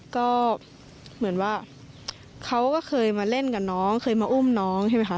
ก็เหมือนว่าเขาก็เคยมาเล่นกับน้องเคยมาอุ้มน้องใช่ไหมคะ